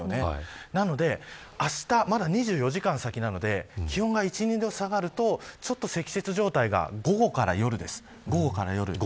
なのであした、まだ２４時間先なので気温が１、２度下がると積雪状態が午後から夜です。